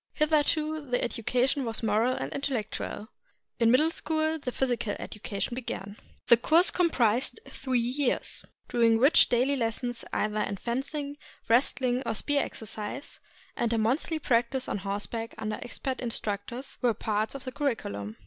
Hitherto the education was moral and intellectual. In the Middle School the physical education began. 444 THE SCHOOLS OF OLD JAPAN The course comprised three years, during which daily lessons in either fencing, wrestling, or spear exercise, and a monthly practice on horseback under expert instruc tors, were parts of the curriculum.